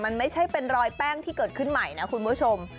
มันไม่ใช่เป็นรอยแป้งที่เกิดขึ้นใหม่นะคุณผู้ชม